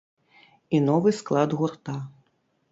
І новы склад гурта.